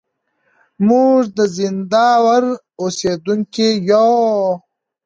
موږ د زينداور اوسېدونکي يو.